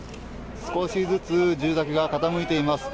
少しずつ住宅が傾いています。